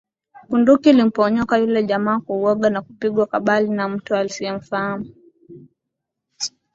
Bunduki ilimponyoka yule jamaa kwa uoga wa kupigwa kabali na mtu asiyemfahamu